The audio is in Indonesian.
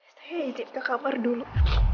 saya ke kamar dulu